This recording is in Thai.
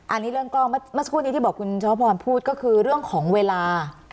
อันนี้เรื่องกล้องเมื่อสักครู่นี้ที่บอกคุณชวพรพูดก็คือเรื่องของเวลา